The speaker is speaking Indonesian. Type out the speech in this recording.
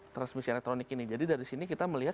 transmisi elektronik ini jadi dari sini kita melihat